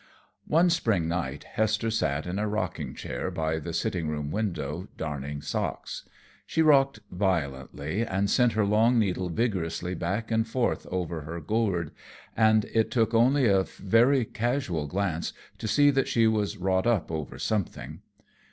One spring night Hester sat in a rocking chair by the sitting room window, darning socks. She rocked violently and sent her long needle vigorously back and forth over her gourd, and it took only a very casual glance to see that she was wrought up over something.